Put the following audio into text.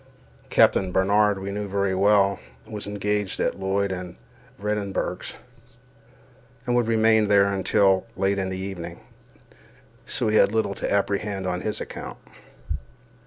Captain Barnard, we knew very well, was engaged at Lloyd and Vredenburgh's, and would remain there until late in the evening, so we had little to apprehend on his account.